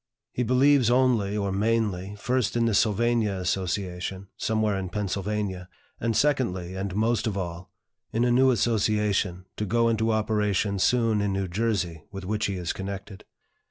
He believes only or mainly, first in the Sylvania Association, somewhere in Pennsylvania; and secondly, and most of all, in a new association, to go into operation soon in New Jersey, with which he is connected."